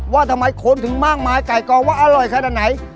ว่าทำไมคนถึงมากมายไก่กองว่าอร่อยขนาดไหน